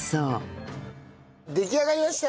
出来上がりました！